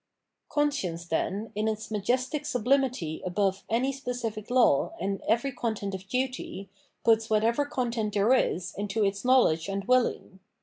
Conscience, then, in its majestic sublimity above any specific law and every content of duty, puts whatever content there is into its knowledge and willing.